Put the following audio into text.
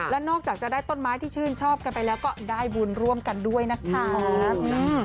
และนอกจากจะได้ต้นไม้ที่ชื่นชอบกันไปแล้วก็ได้บุญร่วมกันด้วยนะครับ